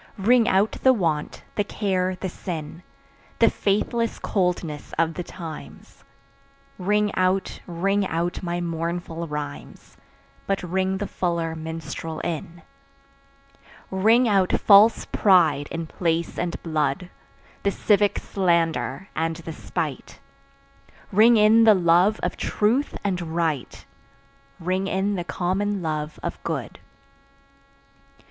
Ring out the want, the care the sin, The faithless coldness of the times; Ring out, ring out my mournful rhymes, But ring the fuller minstrel in. Ring out false pride in place and blood, The civic slander and the spite; Ring in the love of truth and right, Ring in the common love of good.